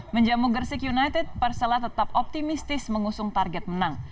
menjamu gersik united persela tetap optimistis mengusung target menang